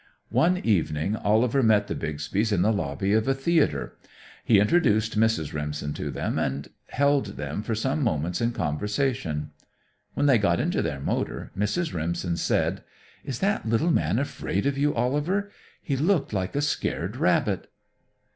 One evening Oliver met the Bixbys in the lobby of a theater. He introduced Mrs. Remsen to them, and held them for some moments in conversation. When they got into their motor, Mrs. Remsen said: "Is that little man afraid of you, Oliver? He looked like a scared rabbit."